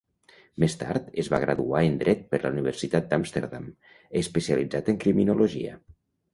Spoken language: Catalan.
Més tard, es va graduar en Dret per la Universitat d'Amsterdam, especialitzat en criminologia.